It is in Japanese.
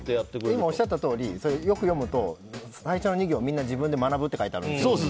今おっしゃったとおりよく読むと、最初に２行にみんな自分で学ぶって書いてあるんですよ。